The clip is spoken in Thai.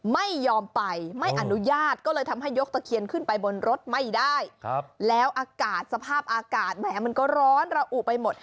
ไม่ยอมไปไม่อนุญาตก็เลยทำให้ยกตะเคียนขึ้นไปบนรถไม่ได้แล้วอากาศสภาพอากาศแหมมันก็ร้อนระอุไปหมด